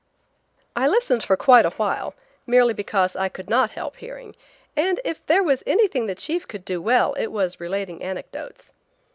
I listened for quite a while, merely because I could not help hearing; and if there was anything the chief could do well it was relating anecdotes.